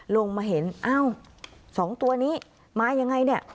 ลงมาเห็นอ้าวสองตัวนี้มายังไงเนี่ย